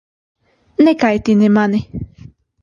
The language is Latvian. Nekaitini mani!